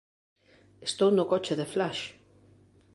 Estou no coche de Flash.